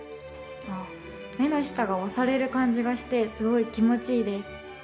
目の下が押される感じがしてすごい気持ちいいです。